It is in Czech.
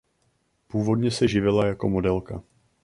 Původně se živila jako modelka.